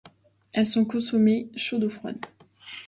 Elles sont consommées chaudes ou froides.